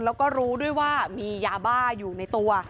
แล้วก็รู้ด้วยว่ามียาบ้าอยู่ในตัว